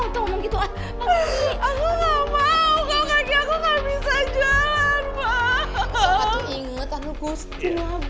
aku kok itu yang sabar